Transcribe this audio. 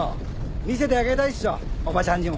見せてあげたいっしょおばちゃんにも。